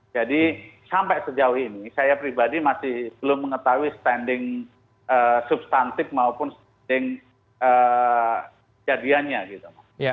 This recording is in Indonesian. jadi sampai sejauh ini saya pribadi masih belum mengetahui standing substantif maupun standing jadiannya